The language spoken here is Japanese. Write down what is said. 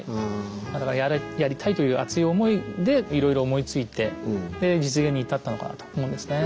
だからやりたいという熱い思いでいろいろ思いついて実現に至ったのかなと思うんですね。